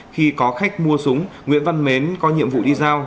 khi có khách mua súng nguyễn văn mến có nhiệm vụ đi giao